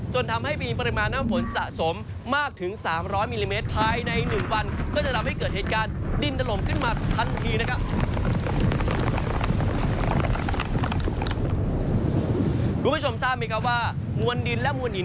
จนทำให้ปริมาณน้ำฝนสะสมมากถึง๓๐๐มิลลิเมตรภายใน๑วัน